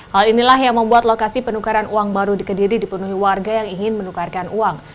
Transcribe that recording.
hal inilah yang membuat lokasi penukaran uang baru di kediri dipenuhi warga yang ingin menukarkan uang